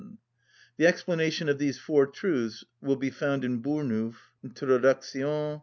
The explanation of these four truths will be found in Bournouf, "_Introduct.